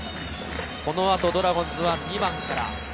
この後ドラゴンズは２番から。